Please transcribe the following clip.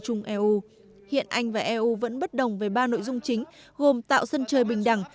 eu hiện anh và eu vẫn bất đồng về ba nội dung chính gồm tạo sân chơi bình đẳng